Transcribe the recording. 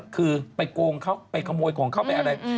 คือไปโกงเขาไปขโมยของเขาไปอะไร